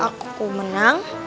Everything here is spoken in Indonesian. aku akan menang